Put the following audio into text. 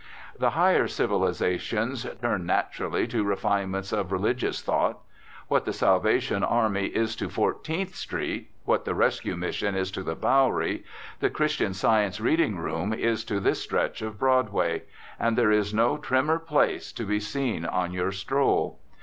The higher civilisations turn, naturally, to refinements of religious thought. What the Salvation Army is to Fourteenth Street, what the Rescue Mission is to the Bowery, the Christian Science Reading Room is to this stretch of Broadway, and there is no trimmer place to be seen on your stroll.